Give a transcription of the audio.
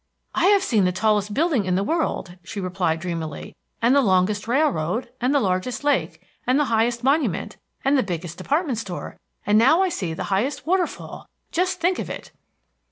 "I've seen the tallest building in the world," she replied dreamily, "and the longest railroad, and the largest lake, and the highest monument, and the biggest department store, and now I see the highest waterfall. Just think of it!"